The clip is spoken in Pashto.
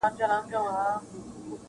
چي لوی کړی دي هلک دی د لونګو بوی یې ځینه-